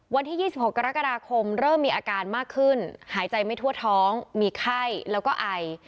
วันที่๒๖กรกฎาคมเริ่มมีอาการมากขึ้นหายใจไม่ทั่วท้องมีไข้แล้วก็ไอ